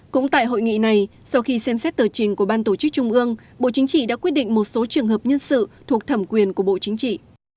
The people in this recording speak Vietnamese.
cũng tại hội nghị này sau khi xem xét tờ trình của ban tổ chức trung ương bộ chính trị đã quyết định một số trường hợp nhân sự thuộc thẩm quyền của bộ chính trị